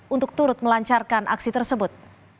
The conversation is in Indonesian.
untuk turut melancarkan aksi tersebut